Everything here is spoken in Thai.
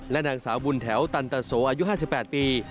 นางสาวบุญแถวตันตะโสอายุ๕๘ปี